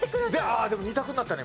ああでも２択になったね。